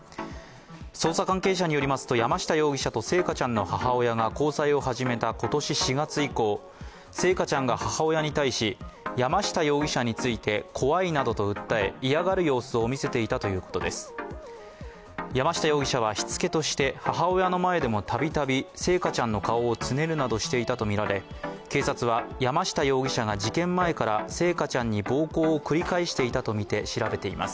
捜査関係者によりますと山下容疑者と星華ちゃんの母親が交際を始めた今年４月以降、星華ちゃんが母親に対し山下容疑者について怖いなどと訴え、嫌がる様子を見せていたということです山下容疑者はしつけとして母親の前でもたびたび度々、星華ちゃんの顔をつねるなどしていたとみられ警察は山下容疑者が事件前から暴行を繰り返していたとみて調べています。